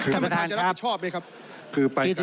ค่ะประทานครับคือไปไกลแล้ว